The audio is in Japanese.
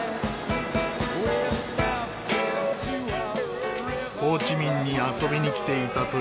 ホーチミンに遊びに来ていたという親子。